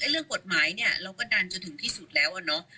เรื่องกฎหมายเนี่ยเราก็ดันจนถึงที่สุดแล้วอะเนาะ